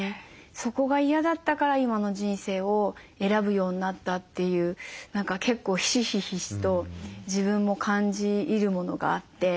そこが嫌だったから今の人生を選ぶようになったという結構ひしひしと自分も感じ入るものがあって。